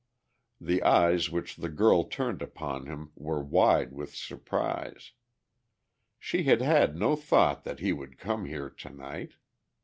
The eyes which the girl turned upon him were wide with surprise. She had had no thought that he would come here tonight.